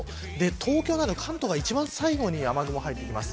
東京など関東は一番最後に雨雲が入ってきます。